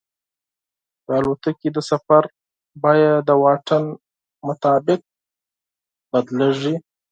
د طیارې د سفر قیمت د واټن مطابق بدلېږي.